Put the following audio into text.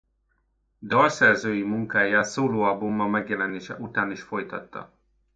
Dalszerzői munkáját szólóalbuma megjelenése után is folytatta.